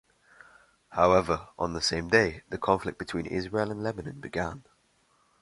However, on the same day, the conflict between Israel and Lebanon began.